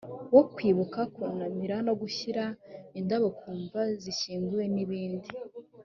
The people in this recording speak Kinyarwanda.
wo kwibuka kunamira no gushyira indabo ku mva zishyinguyemo n ibindi